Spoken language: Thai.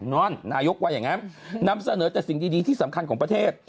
นั่นนายกว่าอย่างนั้นนำเสนอแต่สิ่งดีที่สำคัญของประเทศ